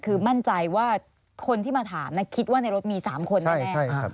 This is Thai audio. คือมั่นใจว่าคนที่มาถามคิดว่าในรถมี๓คนแน่